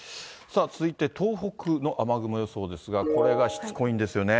続いて東北の雨雲予想ですが、これがしつこいんですよね。